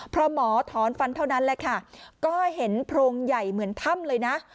พอหมอถอนฟันเท่านั้นแหละค่ะก็เห็นโพรงใหญ่เหมือนถ้ำเลยนะ